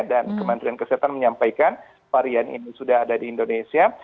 dan kementerian kesehatan menyampaikan varian ini sudah ada di indonesia